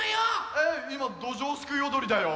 えっいまどじょうすくいおどりだよ。